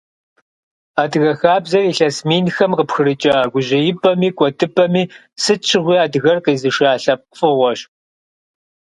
Адыгэ хабзэр илъэс минхэм къыпхрыкӏа, гужьеипӏэми, кӏуэдыпӏэми сыт щыгъуи адыгэр къизыша лъэпкъ фӏыгъуэщ.